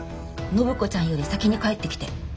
暢子ちゃんより先に帰ってきて。